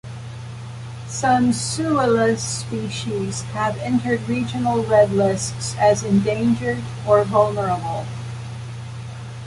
Some "Suillus" species have entered regional red lists as endangered or vulnerable.